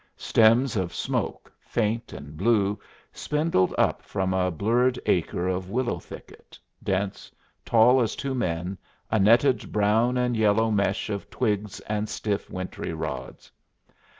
Stems of smoke, faint and blue, spindled up from a blurred acre of willow thicket, dense, tall as two men, a netted brown and yellow mesh of twigs and stiff wintry rods.